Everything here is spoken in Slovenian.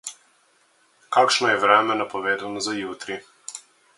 Kakšno vreme je napovedano za jutri?